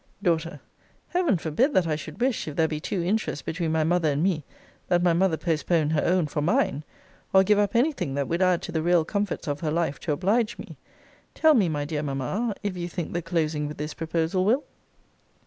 D. Heaven forbid that I should wish, if there be two interests between my mother and me, that my mother postpone her own for mine! or give up any thing that would add to the real comforts of her life to oblige me! Tell me, my dear Mamma, if you think the closing with this proposal will?